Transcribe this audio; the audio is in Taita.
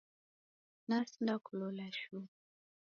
Nasindakulola shuu.